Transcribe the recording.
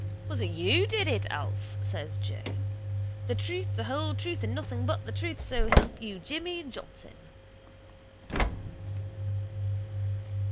—Was it you did it, Alf? says Joe. The truth, the whole truth and nothing but the truth, so help you Jimmy Johnson.